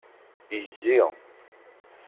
Yezzi.